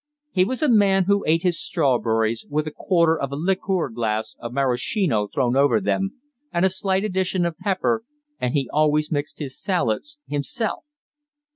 He was a man who ate his strawberries with a quarter of a liqueur glass of maraschino thrown over them, and a slight addition of pepper, and he always mixed his salads himself.